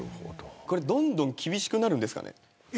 これ、どんどん厳しくなるんですかね。